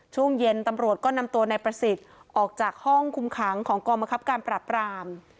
ช่วงเย็นตำรวจก็นำตัวนายประสิทธิ์ออกจากห้องคุมขังของกรมคับการปรับราม